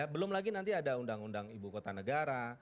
belum lagi nanti ada undang undang ibu kota negara